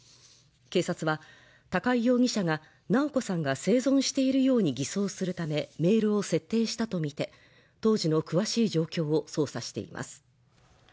警察は高井容疑者が直子さんが生存しているように偽装するためメールを設定したとみて当時の詳しい状況を捜査しています